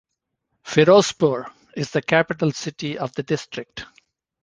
Firozpur is the capital city of the district.